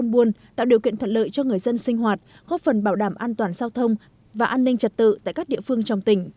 và góp phần bảo đảm an toàn giao thông và an ninh trật tự tại các địa phương trong tỉnh